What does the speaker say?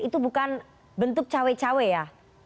itu bukan bentuk cawe cawe ya